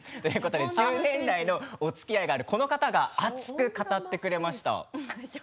１０年来のおつきあいがあるこの方が熱く語ってくれました。